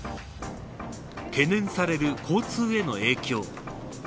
懸念される交通への影響。